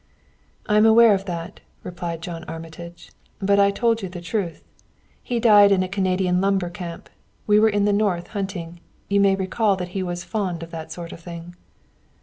"I am aware of that," replied John Armitage; "but I told you the truth. He died in a Canadian lumber camp. We were in the north hunting you may recall that he was fond of that sort of thing."